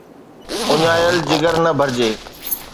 اُڃايل جگر، نه ڀرجي